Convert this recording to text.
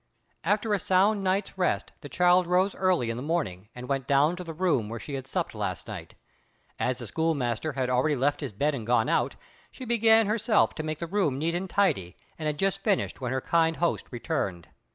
After a sound night's rest the child rose early in the morning and went down to the room where she had supped last night. As the schoolmaster had already left his bed and gone out, she began herself to make the room neat and tidy, and had just finished when her kind host returned.